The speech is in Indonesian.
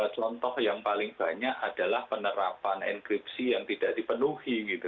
contoh yang paling banyak adalah penerapan enkripsi yang tidak dipenuhi gitu